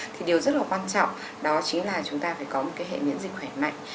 thì điều rất là quan trọng đó chính là chúng ta phải có một cái hệ miễn dịch khỏe mạnh